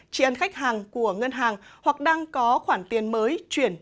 tri ân khách hàng của ngân hàng hoặc đang có khoản tiền mới chuyển